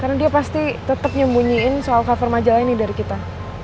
karena dia pasti tetep nyembunyiin soal cover majalah ini dari kita